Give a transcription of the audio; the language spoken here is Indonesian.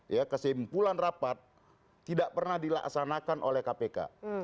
ya kesimpulan rapat tidak pernah dilaksanakan oleh kpk